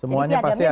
semuanya pasti ada